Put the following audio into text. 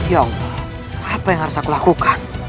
ya apa yang harus aku lakukan